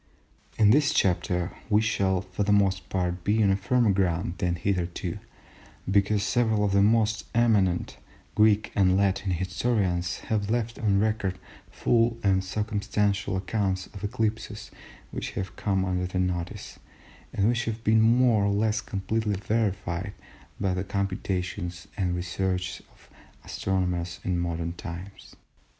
In this chapter we shall, for the most part, be on firmer ground than hitherto, because several of the most eminent Greek and Latin historians have left on record full and circumstantial accounts of eclipses which have come under their notice, and which have been more or less completely verified by the computations and researches of astronomers in modern times.